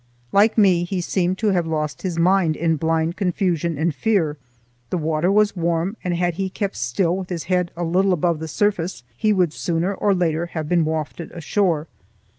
Like me he seemed to have lost his mind in blind confusion and fear. The water was warm, and had he kept still with his head a little above the surface, he would sooner or later have been wafted ashore.